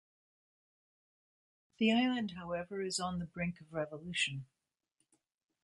The island, however, is on the brink of revolution.